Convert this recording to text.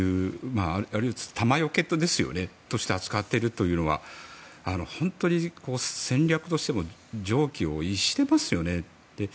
あるいは弾除けとして扱っているというのは本当に戦略としても常軌を逸してますよね。